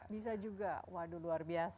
bisa juga waduh luar biasa